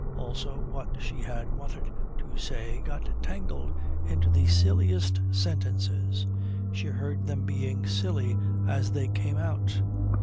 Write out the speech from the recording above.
Also what she had wanted to say got tangled into the silliest sentences she heard them being silly as they came out.